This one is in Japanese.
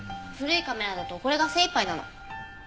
古いカメラだとこれが精いっぱいなの。